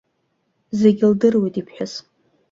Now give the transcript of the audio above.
Зегьы лдыруеит иԥҳәыс.